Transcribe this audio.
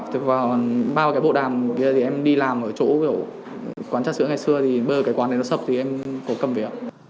thực vào bao cái bộ đàm kia thì em đi làm ở chỗ kiểu quán chất sữa ngày xưa thì bơ cái quán này nó sập thì em có cầm về